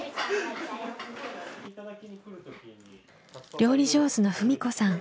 料理上手の文子さん。